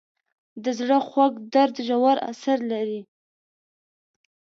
د زړه خوږ درد ژور اثر لري.